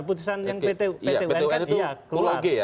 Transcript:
putusan yang pt un itu pulau g ya